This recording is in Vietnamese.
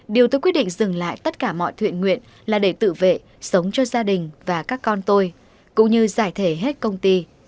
điều tôi quyết định dừng lại tất cả mọi thuyền nguyện là để tự vệ sống cho gia đình và các con tôi cũng như giải thể hết công ty